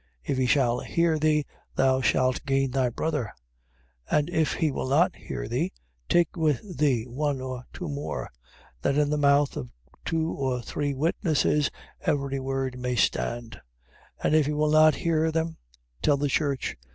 If he shall hear thee, thou shalt gain thy brother. 18:16. And if he will not hear thee, take with thee one or two more: that in the mouth of two or three witnesses every word may stand. 18:17. And if he will not hear them: tell the church.